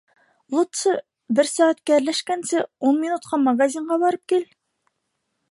Лутсы, бер сәғәт әрләшкәнсе, ун минутҡа магазинға барып кил.